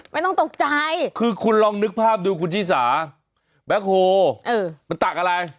ไม่ต้องตกใจคือคุณลองนึกภาพดูคุณชิสาแบ็คโฮมันตักอะไร